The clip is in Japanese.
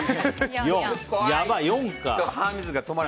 やばい、４か。